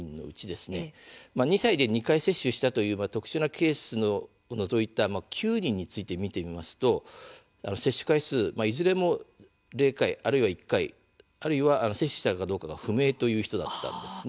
今年確認された１０人のうち２歳で２回接種したという特殊なケースを除いた９人について見てみますと接種回数はいずれも０回、１回、あるいは摂取したかどうか不明という人だったんです。